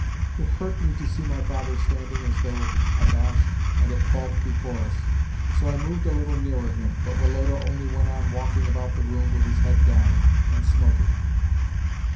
It hurt me to see my father standing as though abashed and at fault before us, so I moved a little nearer him, but Woloda only went on walking about the room with his head down, and smoking.